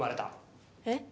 えっ？